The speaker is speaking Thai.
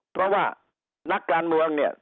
เพราะว่านักการเมืองเนี่ย